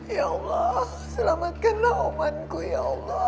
ya allah selamatkanlah omanku ya allah